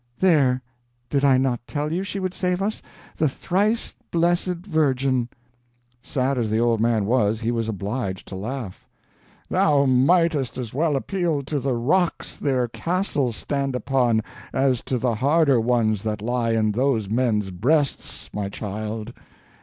There, did I not tell you she would save us, the thrice blessed Virgin!" Sad as the old man was, he was obliged to laugh. "Thou mightest as well appeal to the rocks their castles stand upon as to the harder ones that lie in those men's breasts, my child.